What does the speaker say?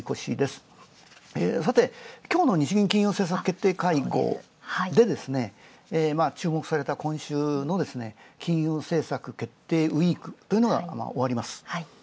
さてきょうの日銀金融政策決定会合、注目された今週の金融政策決定ウィークというのが終わります。